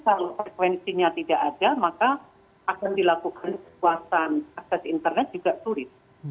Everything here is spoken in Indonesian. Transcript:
dan kalau frekuensinya tidak ada maka akan dilakukan kekuasaan akses internet juga turis